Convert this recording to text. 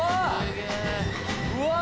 うわ！